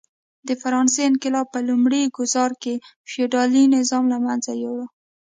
د فرانسې انقلاب په لومړي ګوزار کې فیوډالي نظام له منځه یووړ.